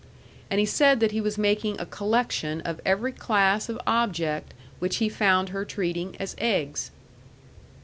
And he said that he was making a collection of every class of object which he found her treating as eggs.